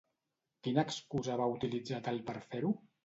Quina excusa va utilitzar tal de fer-ho?